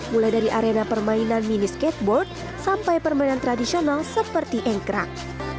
mulai dari arena permainan mini skateboard sampai permainan tradisional seperti engkrang